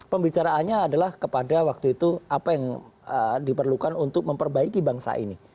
pembicaraannya adalah kepada waktu itu apa yang diperlukan untuk memperbaiki bangsa ini